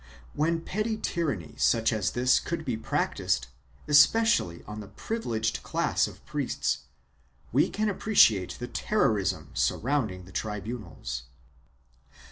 1 When petty tyranny such as this could be practised, especially on the privileged class of priests, we can appreciate the terrorism surrounding the tribunals.